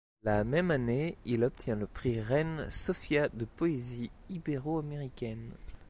La même année, il obtient le Prix Reine Sofía de Poesie ibéroaméricaine.